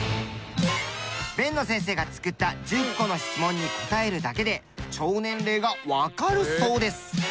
辨野先生が作った１０個の質問に答えるだけで腸年齢がわかるそうです。